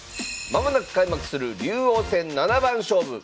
間もなく開幕する竜王戦七番勝負。